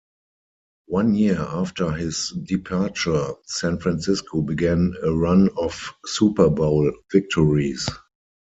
One year after his departure, San Francisco began a run of Super Bowl victories.